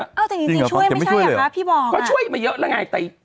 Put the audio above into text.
เอ่อนี่นึกสิช่วยไม่ใช่หรอฝังเข็มไม่ช่วยเลยหรอช่วยมาเยอะแหละไง